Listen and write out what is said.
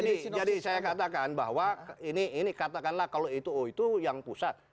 ini jadi saya katakan bahwa ini katakanlah kalau itu oh itu yang pusat